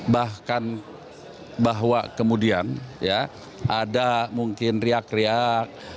bahkan bahwa kemudian ya ada mungkin riak riak